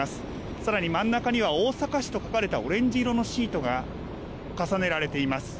さらに真ん中には大阪市と書かれたオレンジ色のシートが重ねられています。